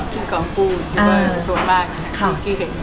คิดก่อนพูดอยู่บนส่วนมากที่เห็น